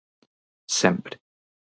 Sempre.